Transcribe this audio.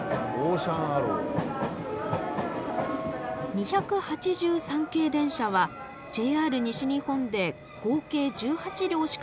２８３系電車はＪＲ西日本で合計１８両しか造られなかった貴重な車両。